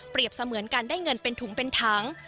เปรียบเสมือนกันได้เงินเป็นถุงเป็นทั้ง